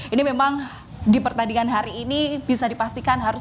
ini memang di pertandingan hari ini bisa dipastikan harus